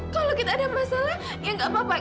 kalau kita ada masalah ya gak papa